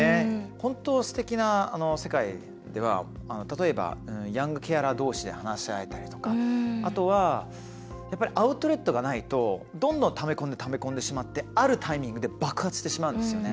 本当にすてきな世界では例えば、ヤングケアラーどうしで話し合えたりとかあとは、アウトレットがないとどんどんためこんでしまってあるタイミングで爆発してしまうんですよね。